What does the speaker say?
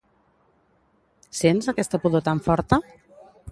Sents aquesta pudor tan forta?